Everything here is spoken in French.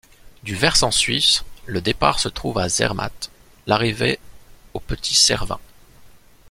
Du versant suisse, le départ se trouve à Zermatt, l'arrivée au Petit Cervin.